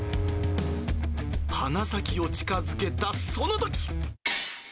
鼻先を近づけたそのとき。